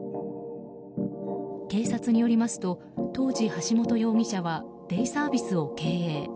警察によりますと当時、橋本容疑者はデイサービスを経営。